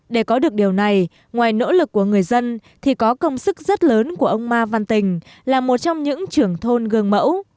để có được điều này ngoài nỗ lực của người dân thì có công sức rất lớn của ông ma văn tình là một trong những trưởng thôn gương mẫu